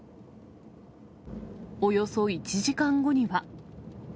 およそ１時間後には。